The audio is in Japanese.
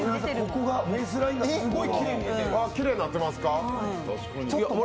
きれいになってますか？